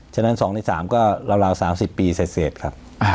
ฉะนั้น๒ใน๓ก็ราว๓๐ปีเสร็จครับ